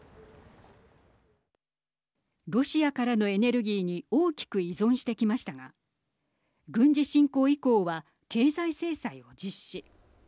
ロシアからのエネルギーに大きく依存してきましたが軍事侵攻以降は経済制裁を実施。